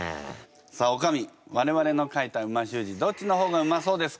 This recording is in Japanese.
さあおかみ我々の書いた美味しゅう字どっちの方がうまそうですか？